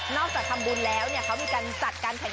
นอกจากทำบุญแล้วเนี่ยเขามีการจัดการแข่งขันกีฬา